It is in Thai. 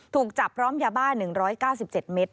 ถูกจับพร้อมยาบ้า๑๙๗เมตร